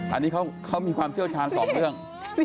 อันนี้เขามีความเชี่ยวชาญสองเรื่อง